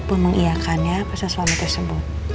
ia pun mengiyakannya pasal suami tersebut